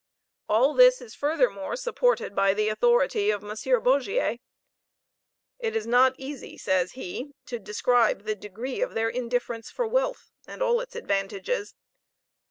All this is furthermore supported by the authority of M. Boggier. "It is not easy," says he, "to describe the degree of their indifference for wealth and all its advantages.